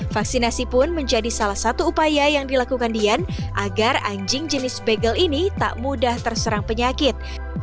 vaksinasi pun menjadi salah satu upaya yang dilakukan dian agar anjing jenis begel ini tak mudah terserang penyakit